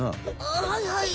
あはいはい。